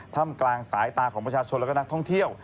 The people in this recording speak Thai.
ถ้ำกลางสายตาของประชาชนและก็นักท่องเที่ยว